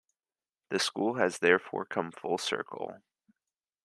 The School has therefore come full circle.